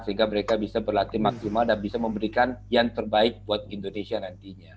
sehingga mereka bisa berlatih maksimal dan bisa memberikan yang terbaik buat indonesia nantinya